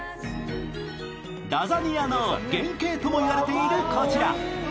ラザニアの原型とも問われているこちら。